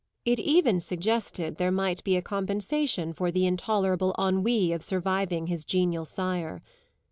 It even suggested there might be a compensation for the intolerable ennui of surviving his genial sire.